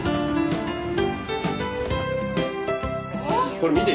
これ見て。